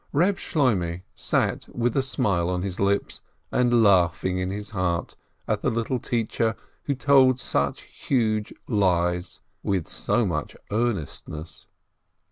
Reb Shloimeh sat with a smile on his lips, and laughing in his heart at the little teacher who told "such huge lies" with so much earnest ness.